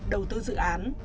đầu tư dự án